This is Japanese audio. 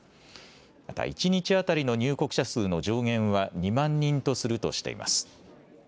また一日当たりの入国者数の上限は２万人とするとしています。